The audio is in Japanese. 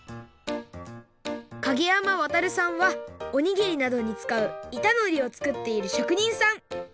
景山航さんはおにぎりなどにつかういたのりをつくっているしょくにんさん！